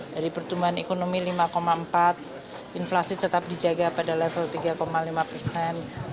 dari pertumbuhan ekonomi lima empat inflasi tetap dijaga pada level tiga lima persen